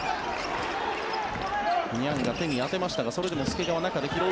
ニャンが手に当てましたがそれでも介川、中で拾う。